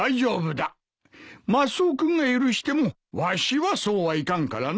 マスオ君が許してもわしはそうはいかんからな。